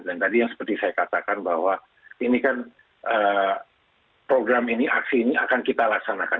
dan tadi yang seperti saya katakan bahwa ini kan program ini aksi ini akan kita laksanakan